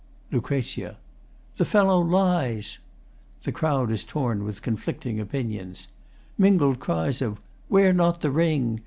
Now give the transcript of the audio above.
LUC. The fellow lies. [The crowd is torn with conflicting opinions. Mingled cries of 'Wear not the ring!